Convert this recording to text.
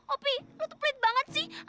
opi lo tuh pelit banget sih